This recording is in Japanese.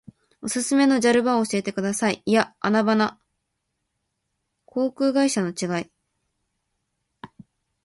おすすめのジャル場を教えてください。いやアナ場な。航空会社違い。